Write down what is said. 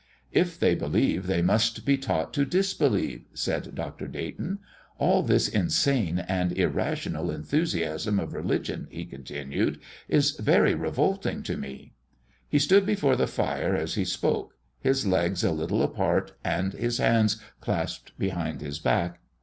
"If they believe they must be taught to disbelieve," said Dr. Dayton. "All this insane and irrational enthusiasm of religion," he continued, "is very revolting to me." He stood before the fire as he spoke, his legs a little apart and his hands clasped behind his back.